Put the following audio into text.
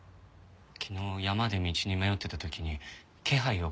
昨日山で道に迷ってた時に気配を感じたんです。